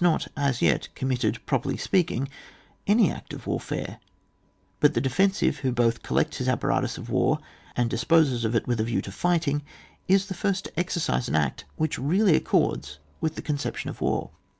not as yet committed, pro perly speaking, any act of warfare; but the defensive who both collects his appa ratus of war, and disposes of it with a view to fighting, is the first to exercise an act which really accords with the oon ceptioD of war.